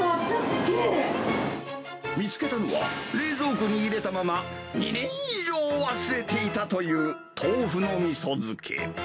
見つけたのは、冷蔵庫に入れたまま、２年以上忘れていたという豆腐のみそ漬け。